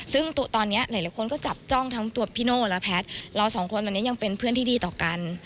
ซึ่งตอนนี้หลายคนก็จับจ้องทั้งตัวพี่โน่และแพทย์เราสองคนตอนนี้ยังเป็นเพื่อนที่ดีต่อกัน